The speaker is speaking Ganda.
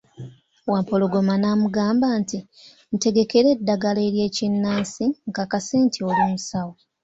Wampologoma n'amugamba nti, ntegekera eddagala ly'ekinnansi nkakase nti oli musawo.